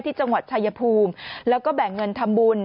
จังหวัดชายภูมิแล้วก็แบ่งเงินทำบุญ